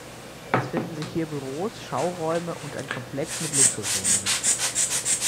Es finden sich hier Büros, Schauräume und ein Komplex mit Luxuswohnungen.